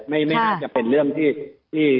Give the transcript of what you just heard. ไม่น่าจะเป็นเรื่องที่